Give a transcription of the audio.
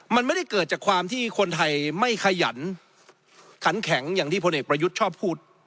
มันไม่ได้เกิดจากความที่คนไทยไม่ขยันขันแข็งอย่างที่พลเอกประยุทธ์ชอบพูด